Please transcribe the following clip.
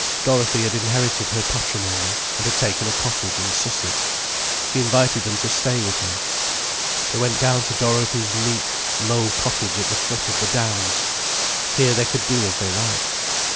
Dorothy had inherited her patrimony, and had taken a cottage in Sussex. She invited them to stay with her. They went down to Dorothy's neat, low cottage at the foot of the downs. Here they could do as they liked.